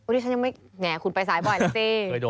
อุ๊ยฉันยังไม่ไงคุณไปสายบ่อยแล้วสิ